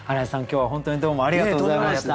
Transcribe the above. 今日は本当にどうもありがとうございました。